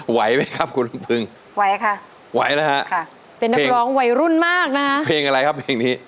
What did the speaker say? ไหวหรือครับคุณพึงไหวค่ะวะนะครับเป็นนักร้องวัยรุ่นมากนะเพียงอะไรครับเพลงนี้